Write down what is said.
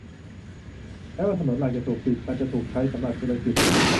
แม้ว่าถนนหลักจะถูกปิด มันจะถูกใช้สำหรับธุรกิจ